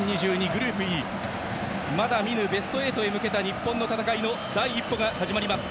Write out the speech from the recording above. グループＥまだ見ぬベスト８へ向けた日本の戦いの第一歩が始まります。